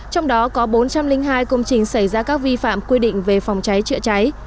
trong đó có bốn trăm linh hai công trình xảy ra các vi phạm quy định về phòng cháy chữa cháy